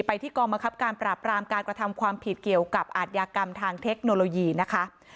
ที่กองบังคับการปราบรามการกระทำความผิดเกี่ยวกับอาทยากรรมทางเทคโนโลยีนะคะ